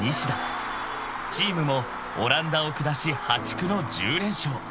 ［チームもオランダを下し破竹の１０連勝］